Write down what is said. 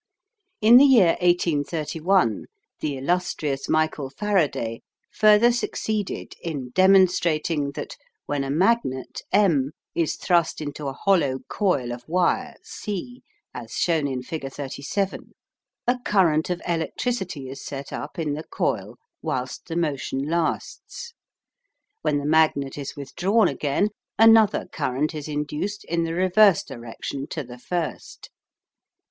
In the year 1831 the illustrious Michael Faraday further succeeded in demonstrating that when a magnet M is thrust into a hollow coil of wire C, as shown in figure 37, a current of electricity is set up in the coil whilst the motion lasts. When the magnet is withdrawn again another current is induced in the reverse direction to the first.